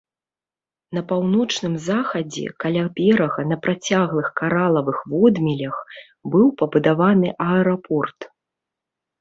На паўночным захадзе каля берага на працяглых каралавых водмелях быў пабудаваны аэрапорт.